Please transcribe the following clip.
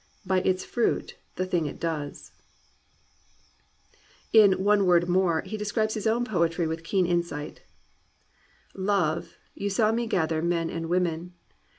By its fruit, the thing it does !" In One Word More he describes his own poetry with keen insight: "Love, you saw me gather men and women.